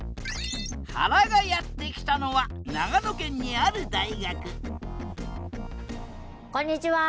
はらがやって来たのは長野県にある大学こんにちは！